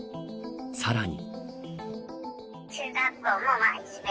さらに。